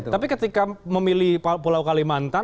tapi ketika memilih pulau kalimantan